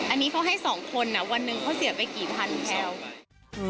อันนี้เขาให้๒คนวันหนึ่งเขาเสียไปกี่พันแล้ว